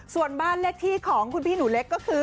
ส่วนบ้านเลขที่ของคุณพี่หนูเล็กก็คือ